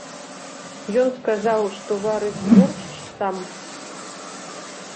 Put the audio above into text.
Ён сказаў, што варыць боршч сам.